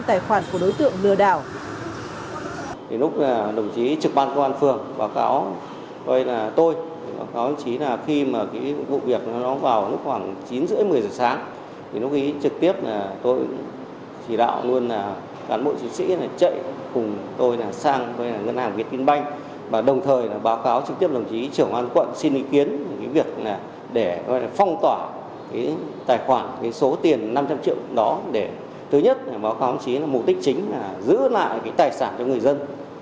báo cáo tôi báo cáo đồng chí là khi mà vụ việc nó vào khoảng chín h ba mươi một mươi h sáng thì nó ghi trực tiếp là tôi chỉ đạo luôn là cán bộ chính sĩ chạy cùng tôi sang ngân hàng việt tinh banh và đồng thời báo cáo trực tiếp đồng chí trưởng an quận xin ý kiến việc để phong tỏa tài khoản số tiền năm trăm linh triệu đó để thứ nhất báo cáo đồng chí là mục đích chính là giữ lại tài sản cho người dân